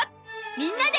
みんなで